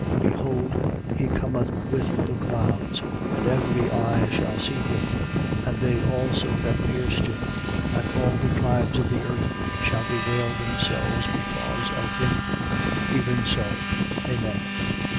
1:7. Behold, he cometh with the clouds, and every eye shall see him: and they also that pierced him. And all the tribes of the earth shall bewail themselves because of him. Even so. Amen.